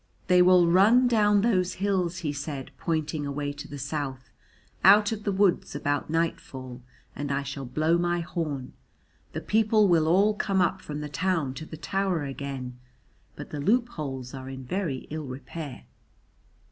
"They will run down those hills," he said, pointing away to the South, "out of the woods about nightfall, and I shall blow my horn. The people will all come up from the town to the tower again; but the loopholes are in very ill repair."